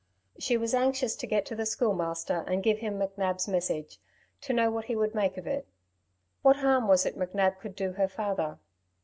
She was anxious to get to the Schoolmaster and give him McNab's message, to know what he would make of it. What harm was it McNab could do her father?